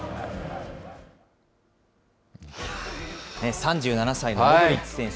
３７歳のモドリッチ選手。